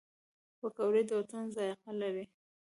پکورې د وطن ذایقه لري